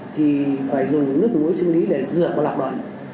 thì phải dùng nước mũi sinh lý để dựa vào lọc đoạn